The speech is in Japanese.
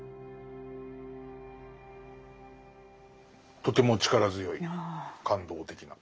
とても力強い感動的な。